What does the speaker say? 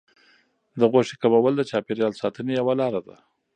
د غوښې کمول د چاپیریال ساتنې یوه لار ده.